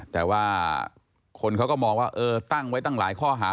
แต่ว่าคนเขาก็มองว่าเออตั้งไว้ตั้งหลายข้อหา